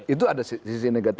itu ada sisi negatif